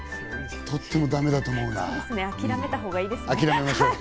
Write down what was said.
諦めたほうがいいですね。